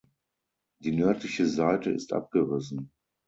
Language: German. Die nördliche Seite ist abgerissen.